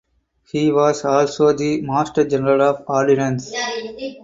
He was also the Master general of ordinances.